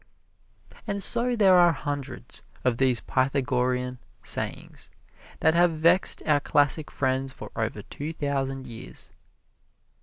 And so there are hundreds of these Pythagorean sayings that have vexed our classic friends for over two thousand years.